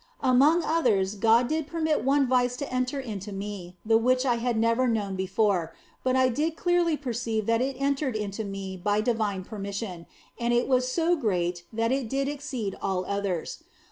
Among others, God did permit one vice to enter into me the which I had never known before, but I did clearly perceive that it entered into me by Divine permission, and it was so great that it did exceed all the others.